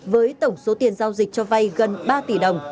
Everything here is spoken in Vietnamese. với tổng số tiền giao dịch cho vay gần ba tỷ đồng